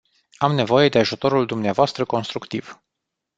Am nevoie de ajutorul dumneavoastră constructiv.